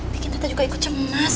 bikin kita juga ikut cemas